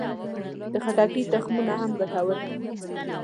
د خټکي تخمونه هم ګټور دي.